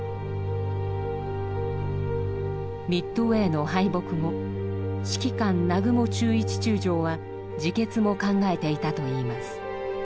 ミッドウェーの敗北後指揮官南雲忠一中将は自決も考えていたといいます。